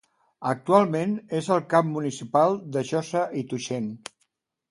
Actualment és el cap municipal de Josa i Tuixén.